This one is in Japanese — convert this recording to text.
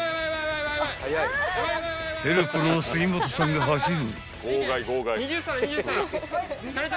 ［ヘルプの杉本さんが走る］